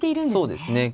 そうですね。